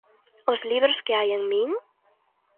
Os libros que hai en min?